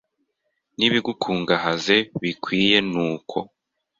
nibigukungahaze bikwiye nuko